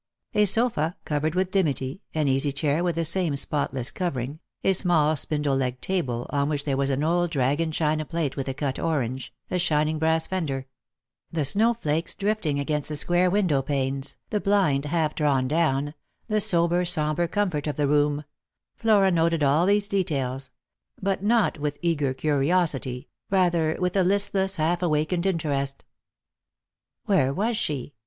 A sofa covered with dimity, an easy chair with the same spotless covering, a small spindle legged table, on which there was an old dragon china plate with a cut orange, a shining brass fender — the snow flakes drifting against the square window panes, the blind half drawn down, the sober sombre comfort of the room — Flora noted all these details; but not with eager curiosity; rather with a listless half awakened interest. Where was she